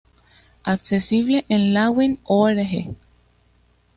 Accesible en lawin.org.